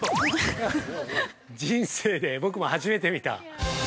◆人生で僕も初めて見た。